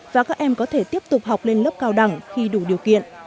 và các em có thể tiếp tục học lên lớp cao đẳng khi đủ điều kiện